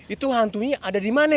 itu hantunya ada dimana